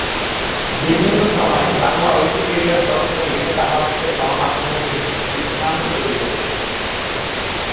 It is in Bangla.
বিভিন্ন সময়ে বাংলা উইকিপিডিয়ার তথ্য নিয়ে বাংলাদেশের গণমাধ্যমে বিভ্রান্তি তৈরি হয়েছে।